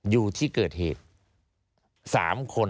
อยู่ที่เกิดเหตุ๓คน